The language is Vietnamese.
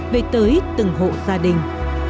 về tới từng hộ gia đình